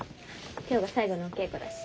今日が最後のお稽古だし。